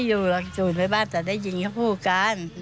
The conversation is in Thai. ไม่อยู่หรอกจูดไปบ้านแต่ได้ยินเขาพูดกัน